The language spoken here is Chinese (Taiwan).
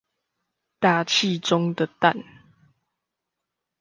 大氣中的氮